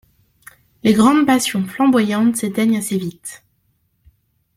Les grandes passions flamboyantes s'éteignent assez vite.